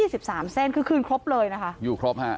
๒๓แสนคือคืนครบเลยนะคะอยู่ครบฮะ